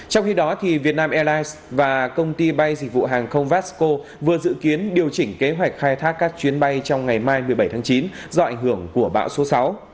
trong khi đó việt nam airlines và công ty bay dịch vụ hàng không vasco vừa dự kiến điều chỉnh kế hoạch khai thác các chuyến bay trong ngày mai một mươi bảy tháng chín do ảnh hưởng của bão số sáu